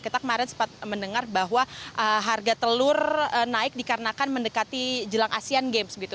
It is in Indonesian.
kita kemarin sempat mendengar bahwa harga telur naik dikarenakan mendekati jelang asean games gitu